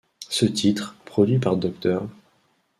Ce titre, produit par Dr.